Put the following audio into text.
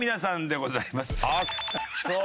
あっそう。